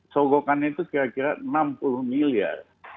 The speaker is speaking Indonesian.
sogokannya itu kira kira enam puluh miliar